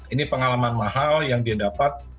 ini pengalaman mahal yang dia dapat